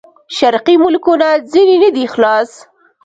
شرقي ملکونه ځنې نه دي خلاص.